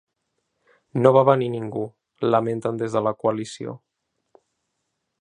No va venir ningú, lamenten des de la coalició.